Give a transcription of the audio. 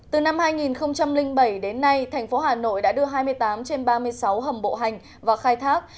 từ năm hai nghìn bảy đến nay thành phố hà nội đã đưa hai mươi tám trên ba mươi sáu hầm bộ hành vào khai thác